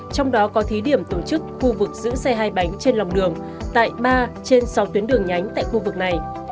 trong đó có thí điểm tổ chức khu vực giữ xe hai bánh trên lòng đường tại ba trên sáu tuyến đường nhánh tại khu vực này